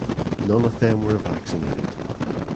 None of them were vaccinated.